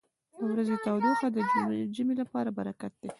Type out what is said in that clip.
• د ورځې تودوخه د ژمي لپاره برکت دی.